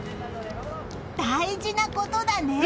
大事なことだね！